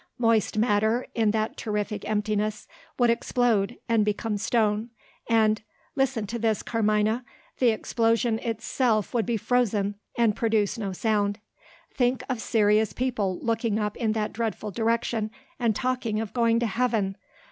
Moist matter, in that terrific emptiness, would explode, and become stone; and listen to this, Carmina the explosion itself would be frozen, and produce no sound. Think of serious people looking up in that dreadful direction, and talking of going to Heaven.